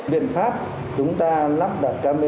biện pháp chúng ta lắp đặt camera lùi